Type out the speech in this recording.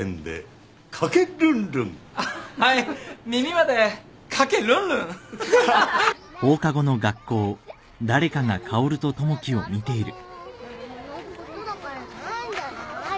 マルモのことだからないんじゃない？